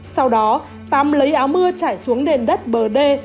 sau đó tám lấy áo mưa chảy xuống nền đất bờ đê